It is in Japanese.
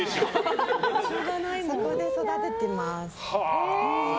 そこで育ててます。